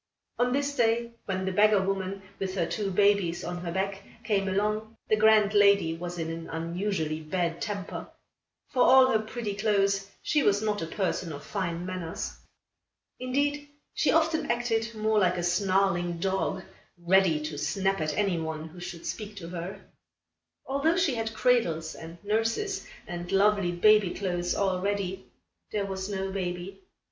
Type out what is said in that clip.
On this day, when the beggar woman, with her two babies on her back, came along, the grand lady was in an unusually bad temper. For all her pretty clothes, she was not a person of fine manners. Indeed, she often acted more like a snarling dog, ready to snap at any one who should speak to her. Although she had cradles and nurses and lovely baby clothes all ready, there was no baby.